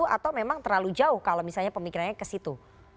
atau memang terlalu jauh kalau misalnya pemikirannya ke situ